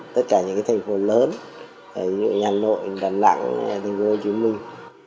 tất cả những thành phố lớn như nhà nội đà nẵng thành phố hồ chí minh